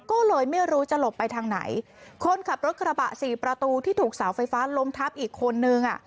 ก็เลยไม่รู้จะหลบไปทางไหนคนขับรถกระบะสี่ประตูที่ถูกเสาไฟฟ้าล้มทับอีกคนนึงอ่ะ